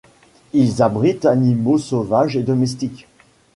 Ils abritent animaux sauvages et domestiques.